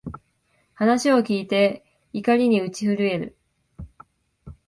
話を聞いて、怒りに打ち震える